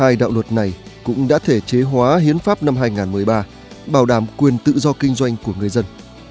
hai đạo luật này cũng đã thể chế hóa hiến pháp năm hai nghìn một mươi ba bảo đảm quyền tự do kinh doanh của người dân